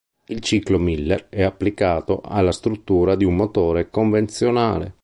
Il ciclo Miller è applicato alla struttura di un motore convenzionale.